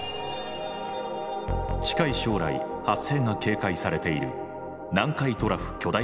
近い将来発生が警戒されている南海トラフ巨大地震。